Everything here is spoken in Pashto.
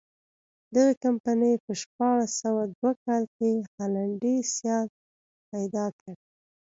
دغې کمپنۍ په شپاړس سوه دوه کال کې هالنډی سیال پیدا کړ.